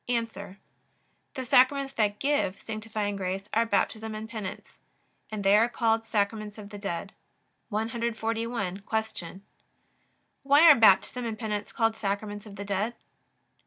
A. The Sacraments that give sanctifying grace are Baptism and Penance; and they are called Sacraments of the dead. 141. Q. Why are Baptism and Penance called Sacraments of the dead?